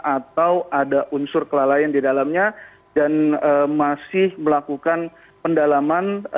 atau ada unsur kelalaian di dalamnya dan masih melakukan pendalaman